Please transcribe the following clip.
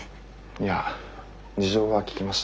いや事情は聞きました。